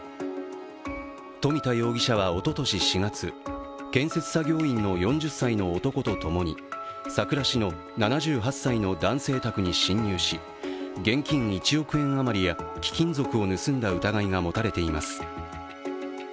富田容疑者は、おととし４月建設作業員の４０歳の男と共にさくら市の７８歳の男性宅に侵入し現金１億円余りや貴金属を盗んだ疑いが持たれています。